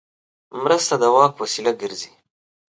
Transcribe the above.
مرسته د واک وسیله ګرځي.